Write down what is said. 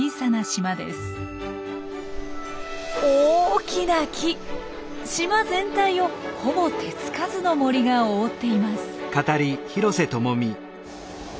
島全体をほぼ手付かずの森が覆っています。